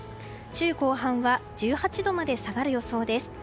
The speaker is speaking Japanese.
週後半は１８度まで下がる予想です。